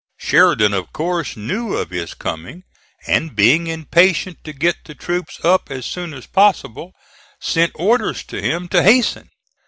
Sheridan of course knew of his coming, and being impatient to get the troops up as soon as possible, sent orders to him to hasten.